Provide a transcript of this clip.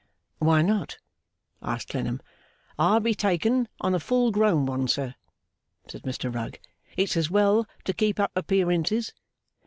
'Why not?' asked Clennam. 'I'd be taken on a full grown one, sir,' said Mr Rugg. 'It's as well to keep up appearances.